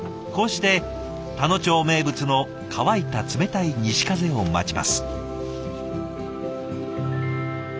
こうして田野町名物の乾いた冷たい西風を待ちます。